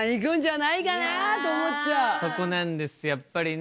そこなんですやっぱりね。